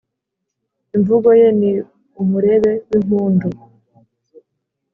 imvugo ye ni umurebe w’impundu,